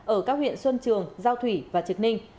ở các huyện xuân trường giao thủy và trực ninh